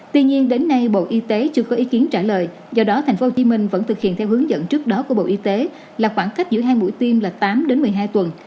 tuy nhiên đến nay bộ y tế chưa có ý kiến trả lời do đó thành phố hồ chí minh vẫn thực hiện theo hướng dẫn trước đó của bộ y tế là khoảng cách giữa hai mũi tiêm là tám tuần